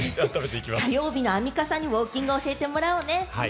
火曜日のアンミカさんにウオーキングを教えてもらおうね。